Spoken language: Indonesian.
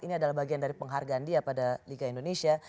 ini adalah bagian dari penghargaan dia pada liga indonesia